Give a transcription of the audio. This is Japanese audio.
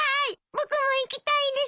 僕も行きたいです。